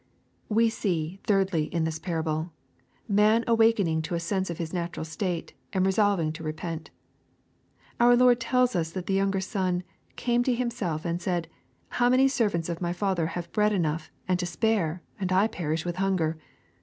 We see, thirdly, in this parable, man awaking to a sense of his natural state , and resolving to repent. Our Lord tells us that the youuger son " came to himself and said, how many servants of my father have bread enough and to spare, and I perish with hunger